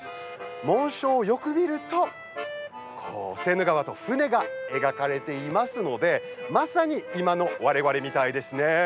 紋章をよく見るとセーヌ川と船が描かれていますのでまさに、今の我々みたいですね。